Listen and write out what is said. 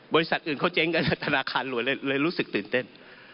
บริษัทอื่นเขาเจ๊งกันจากธนาคารหลวยเลยรู้สึกตื่นเต้น